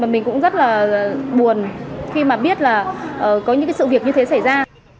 mình cũng rất là buồn khi mà biết là có những sự việc như thế xảy ra